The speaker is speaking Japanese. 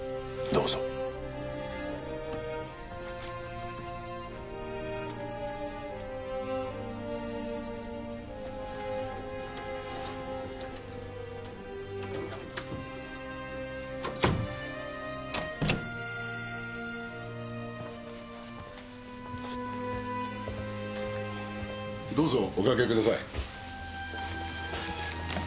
どうぞおかけください。